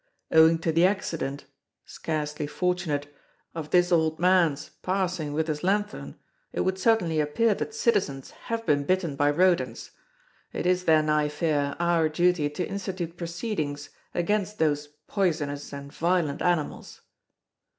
Owing to the accident—scarcely fortunate—of this old man's passing with his lanthorn, it would certainly appear that citizens have been bitten by rodents. It is then, I fear, our duty to institute proceedings against those poisonous and violent animals."